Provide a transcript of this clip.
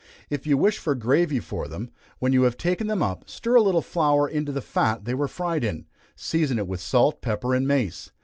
If you wish for gravy for them, when you have taken them up, stir a little flour into the fat they were fried in; season it with salt, pepper, and mace.